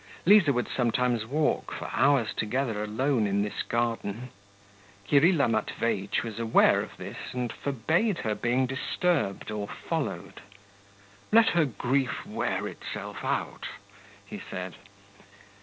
Liza would sometimes walk, for hours together, alone in this garden. Kirilla Matveitch was aware of this, and forbade her being disturbed or followed; let her grief wear itself out, he said.